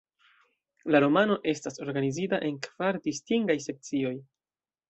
La romano estas organizita en kvar distingaj sekcioj.